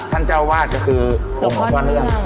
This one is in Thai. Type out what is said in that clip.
ท่านเจ้าว่าจะคือหลงพ่อเนื่อง